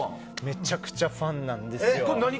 めちゃくちゃファンなんです。